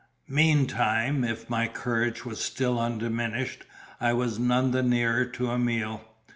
Meantime, if my courage was still undiminished, I was none the nearer to a meal.